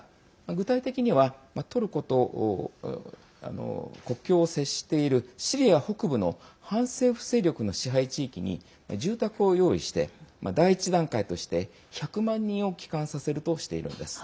具体的にはトルコと国境を接するシリア北部の反政府勢力の支配地域に住宅を用意して第１段階として、１００万人を帰還させるとしているんです。